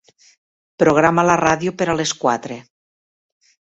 Programa la ràdio per a les quatre.